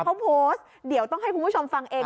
เขาโพสต์เดี๋ยวต้องให้คุณผู้ชมฟังเอง